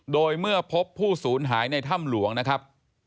โดยเมื่อพบผู้สูญหายในถ้ำหลวงนะครับ